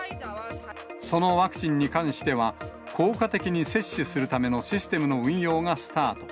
そのワクチンに関しては、効果的に接種するためのシステムの運用がスタート。